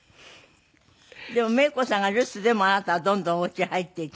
でもメイコさんが留守でもあなたはどんどんお家に入っていって。